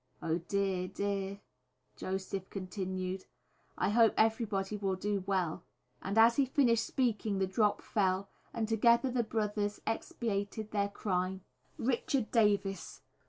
Oh! dear, dear," Joseph continued: "I hope everybody will do well," and as he finished speaking the drop fell, and together the brothers expiated their crime. _Richard Davies.